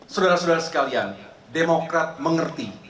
saudara saudara sekalian demokrat mengerti